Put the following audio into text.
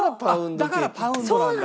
だからパウンドなんだ。